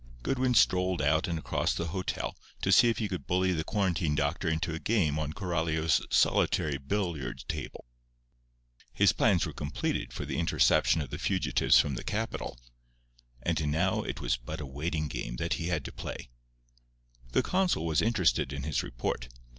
Goodwin strolled out and across to the hotel to see if he could bully the quarantine doctor into a game on Coralio's solitary billiard table. His plans were completed for the interception of the fugitives from the capital; and now it was but a waiting game that he had to play. The consul was interested in his report.